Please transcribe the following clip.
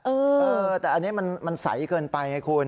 เออแต่อันนี้มันใสเกินไปไงคุณ